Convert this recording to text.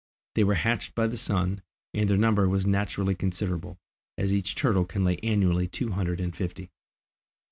They were hatched by the sun, and their number was naturally considerable, as each turtle can lay annually two hundred and fifty.